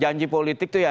janji politik itu ya